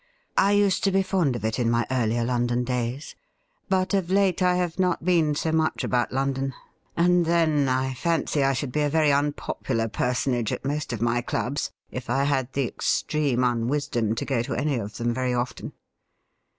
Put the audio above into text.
' I used to be fond of it in my earlier London days. But of late I have not been so much about London, and, then, I fancy I should be a very unpopular personage at most of my clubs if I had the extreme unwisdom to go to any of them very often.